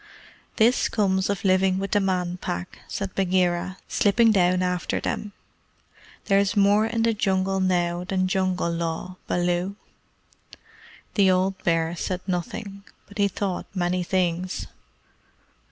"This comes of living with the Man Pack," said Bagheera, slipping down after them. "There is more in the Jungle now than Jungle Law, Baloo." The old bear said nothing, but he thought many things.